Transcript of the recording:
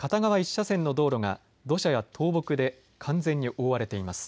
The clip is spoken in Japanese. １車線の道路が土砂や倒木で完全に覆われています。